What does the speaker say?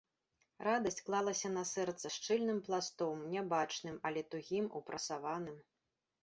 Радасць клалася на сэрца шчыльным пластом, нябачным, але тугім, упрасаваным.